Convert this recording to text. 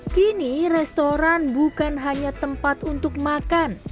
kini restoran bukan hanya tempat untuk makan